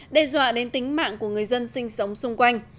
đe dọa đến tính mạng của người dân sinh sống xung quanh